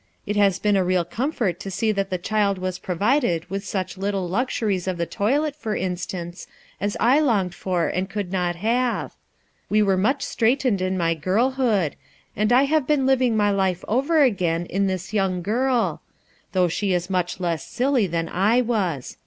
It has been a real comfort to see that the child was provided with such little luxuries of the toilet, for instance, as I longed for and could not have. We were much straitened in my girlhood, and I have been living my life over again in this young girl; though she is much 252 RUTH ERSKLVE'S SON less silly than I was.